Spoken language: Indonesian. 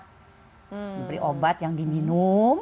diberi obat yang diminum